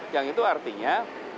yang itu artinya